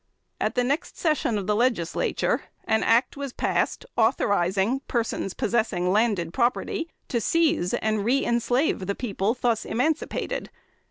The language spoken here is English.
At the next session of the Legislature, an act was passed authorizing persons possessing landed property to seize and reënslave the people thus emancipated.